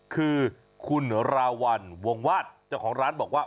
คือคุณราวัลวงวาดเจ้าของร้านบอกว่า